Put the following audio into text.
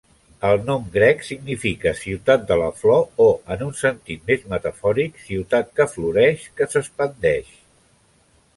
El nom grec significa ciutat de la flor o, en un sentit més metafòric, ciutat que floreix, que s'expandeix.